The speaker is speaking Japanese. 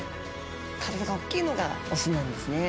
スタジオ体が大きいのがオスなんですね。